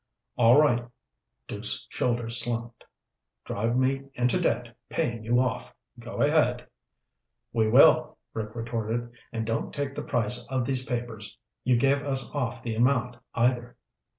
"All right." Duke's shoulders slumped. "Drive me into debt paying you off. Go ahead." "We will," Rick retorted, "and don't take the price of these papers you gave us off the amount, either."